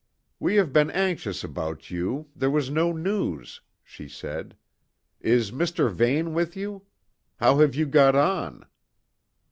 "We have been anxious about you there was no news," she said. "Is Mr. Vane with you? How have you got on?"